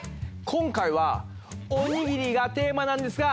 今回は「おにぎり」がテーマなんですが。